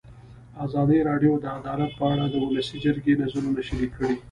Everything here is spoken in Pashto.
ازادي راډیو د عدالت په اړه د ولسي جرګې نظرونه شریک کړي.